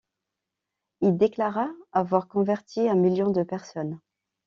Il déclara avoir converti un million de personnes.